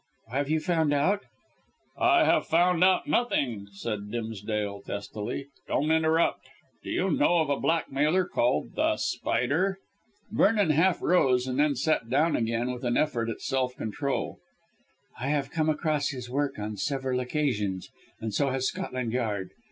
Have you found out " "I have found out nothing," said Dimsdale testily. "Don't interrupt. Do you know of a blackmailer called The Spider?" Vernon half rose and then sat down again with an effort at self control. "I have come across his work on several occasions, and so has Scotland Yard.